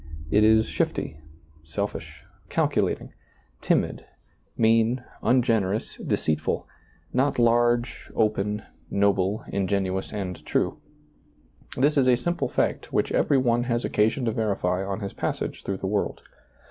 It is shifty, selfish, calculating, timid, mean, ungenerous, deceitful — not large, open, noble, ingenuous and true. This is a simple fact which every one has occasion to verify on his passage through the world.